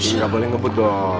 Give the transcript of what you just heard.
iya boleh ngebut dong